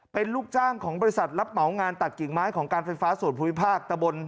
เป็นลูกจ้างของบริษัทรับเหมางานตัดกิ่งไม้ของการไฟฟ้าส่วนภูมิภาคตะบน